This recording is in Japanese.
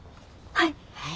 はい。